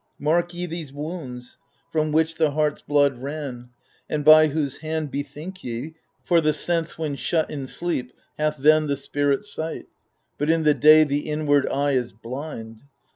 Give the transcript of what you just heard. Mark ye these wounds from which the heart's blood ran. And by whose hand, bethink ye 1 for the sense When shut in sleep hath then the spirit sight. But in the day the inward eye is blind.